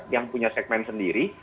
yang punya segmen sendiri